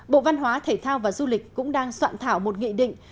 bộ văn hóa thể thao và du lịch cũng đang soạn thảo một nghị định